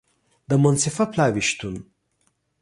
د منصفه پلاوي شتون